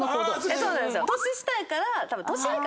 そうなんですよ。